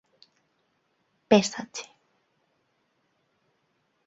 Pésache.